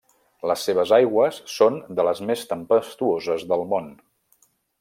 Les seves aigües són de les més tempestuoses del món.